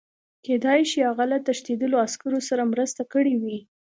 کېدای شي هغه له تښتېدلو عسکرو سره مرسته کړې وي